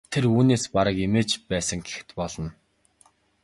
Тэр үүнээс бараг эмээж байсан гэхэд болно.